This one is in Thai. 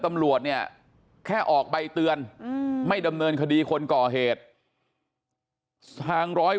ตำรวจเนี่ยแค่ออกใบเตือนไม่ดำเนินคดีคนก่อเหตุทางร้อย